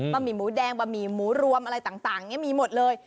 หมี่หมูแดงบะหมี่หมูรวมอะไรต่างมีหมดเลย